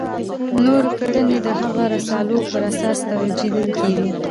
نورې کړنې د هغو رسالو پر اساس توجیه کېدې.